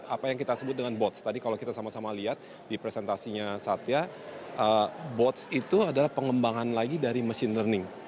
apa yang kita sebut dengan bots tadi kalau kita sama sama lihat di presentasinya satya bots itu adalah pengembangan lagi dari mesin learning